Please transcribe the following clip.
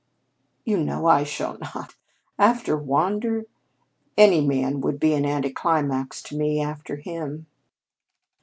"You know I shall not! After Wander? Any man would be an anticlimax to me after him."